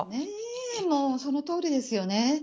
もうそのとおりですよね。